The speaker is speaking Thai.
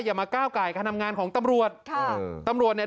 อย่ามาก้าวไก่การทำงานของตำรวจค่ะตำรวจเนี่ย